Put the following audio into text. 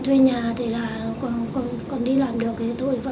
thù thì không hẳn những cái hận